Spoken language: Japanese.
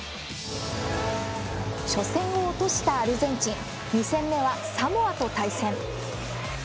初戦を落としたアルゼンチン２戦目はサモアと対戦。